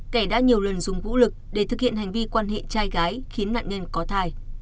kẻ đã nhiều lần dùng vũ lực để thực hiện hành vi quan hệ trai gái khiến nạn nhân có thai